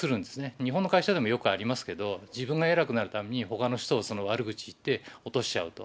日本の会社でもよくありますけど、自分が偉くなるために、ほかの人を、悪口言って、落としちゃうと。